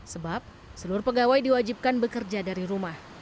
sebab seluruh pegawai diwajibkan bekerja dari rumah